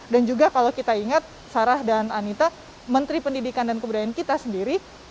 dan juga kalau kita ingat sarah dan anita menteri pendidikan dan kebudayaan kita sendiri